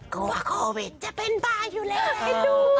กลัวโควิดจะเป็นบาอยู่แล้ว